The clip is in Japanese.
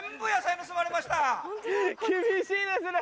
厳しいですね。